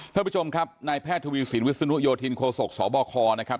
ท่านผู้ชมครับนายแพทย์ทวีสินวิศนุโยธินโคศกสบคนะครับ